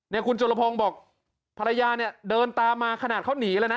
เนี่ยคุณจุลพรงบอกภรรยาเนี่ยเดินตามมาขนาดเขาหนีแล้วนะ